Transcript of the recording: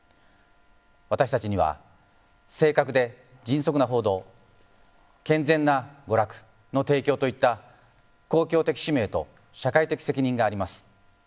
私たちには正確で迅速な報道健全な娯楽の提供といった公共的使命と社会的責任があります。